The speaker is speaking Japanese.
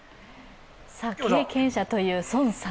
経験者という宋さん